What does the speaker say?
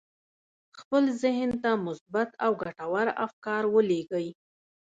خپل ذهن ته مثبت او ګټور افکار ولېږئ